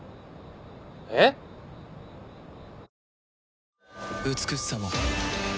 え⁉美しさも